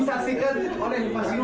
disaksikan oleh ferdinand